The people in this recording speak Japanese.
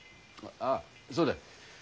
あそうだ。